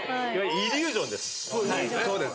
イリュージョンです。